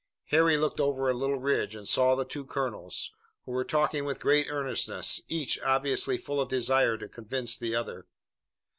Harry looked over a little ridge and saw the two colonels, who were talking with great earnestness, each obviously full of a desire to convince the other.